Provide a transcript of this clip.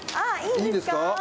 いいんですか？